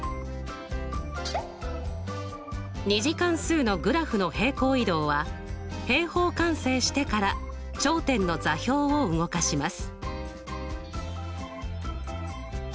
２次関数のグラフの平行移動は平方完成してから頂点の座標を動かします。